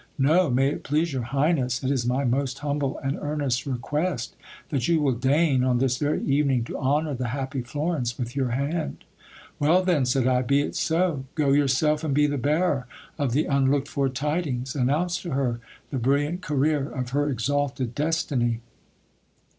No, may it please your highness ; it is my most humble and earnest request that you will deign, on this very evening, to honour the happy Florence with your hand. Well, then ! said I, be it so ; go yourself and be the bearer of the unlooked for tidings, announce to her the brilliant career of her exalted destiny.